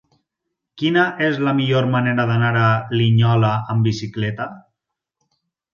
Quina és la millor manera d'anar a Linyola amb bicicleta?